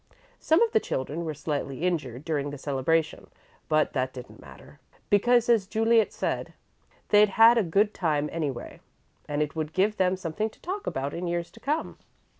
Some of the children were slightly injured during the celebration, but that didn't matter, because as Juliet said, they'd had a good time, anyway, and it would give them something to talk about in years to come."